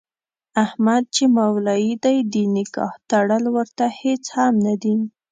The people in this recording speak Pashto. احمد چې مولوي دی د نکاح تړل ورته هېڅ هم نه دي.